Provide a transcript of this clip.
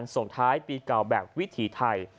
ส่งท้ายปีเก่าแบบวิถีไทย